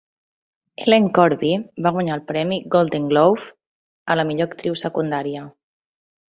Ellen Corby va guanyar el premi Golden Globe a la millor actriu secundària.